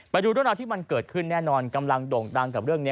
ไปดูเรื่องราวที่มันเกิดขึ้นแน่นอนกำลังโด่งดังกับเรื่องนี้